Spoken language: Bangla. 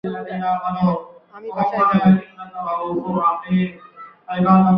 যেখান থেকে এসেছিল সেখানে ফিরে যাও, জো।